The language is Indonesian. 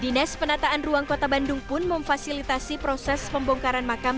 dinas penataan ruang kota bandung pun memfasilitasi proses pembongkaran makam